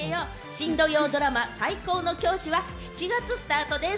新土曜ドラマ『最高の教師』は７月スタートです。